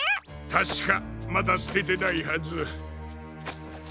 たしかまだすててないはず。